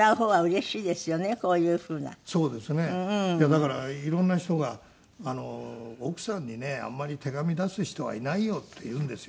だから色んな人が「奥さんにねあんまり手紙出す人はいないよ」って言うんですよ。